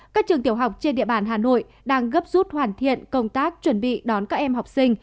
các trường tiểu học trên địa bàn hà nội đang gấp rút hoàn thiện công tác chuẩn bị đón các em học sinh